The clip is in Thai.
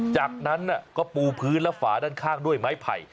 จากนั้นก็ปูพื้นและฝาด้านข้างด้วยไม้ไผ่